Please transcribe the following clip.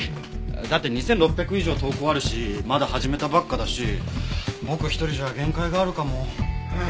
だって２６００以上投稿あるしまだ始めたばっかだし僕一人じゃ限界があるかも。